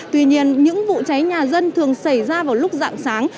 tuy nhiên những vụ cháy nhà dân thường xảy ra vào lúc dạng sáng